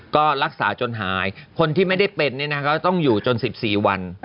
ก็รักษาจนหายคนที่ไม่ได้เป็นก็ต้องอยู่จน๑๔วัน